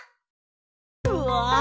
うわ